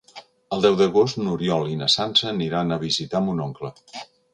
El deu d'agost n'Oriol i na Sança aniran a visitar mon oncle.